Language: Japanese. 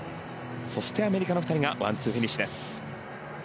そして、アメリカの２人がワンツーフィニッシュです。